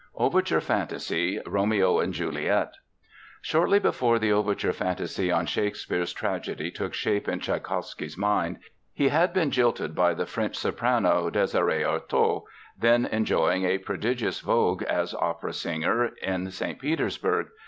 OVERTURE FANTASY, Romeo and Juliet Shortly before the overture fantasy on Shakespeare's tragedy took shape in Tschaikowsky's mind, he had been jilted by the French soprano Désirée Artôt, then enjoying a prodigious vogue as opera singer in St. Petersburg.